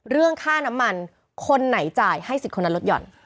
เรื่องค่าน้ำมันคนไหนจ่ายให้สิทธิ์คนนั้นลดหย่อน